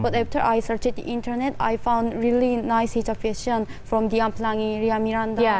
tapi setelah saya mencari di internet saya menemukan pakaian hijab yang sangat bagus dari dian pelangi ria miranda